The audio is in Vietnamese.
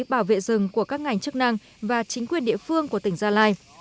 bảo vệ rừng của các ngành chức năng và chính quyền địa phương của tỉnh gia lai